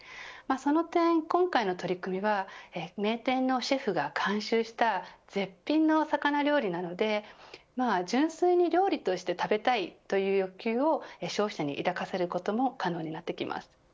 その点、今回の取り組みは名店のシェフが監修した絶品のお魚料理なので純粋に料理として食べたいという欲求を消費者に抱かせることも可能になってきます。